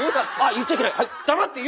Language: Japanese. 言っちゃいけない。